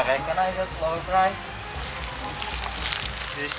bisa saya taruh harga sedikit